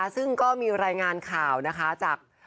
ซึ่งก็มีรายงานข่าวนะคะจาก